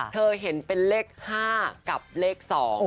เธอเห็นเป็นเลข๕กับเลข๒